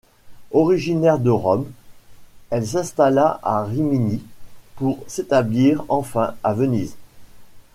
Originaire de Rome, elle s'installa à Rimini, pour s'établir enfin à Venise.